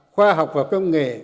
khoa học và công nghệ